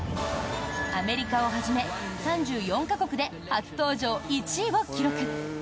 アメリカをはじめ３４か国で初登場１位を記録！